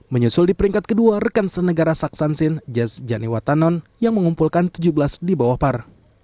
menyusul di peringkat kedua rekan senegara saksansin jazz janewa tanon yang mengumpulkan tujuh belas di bawah par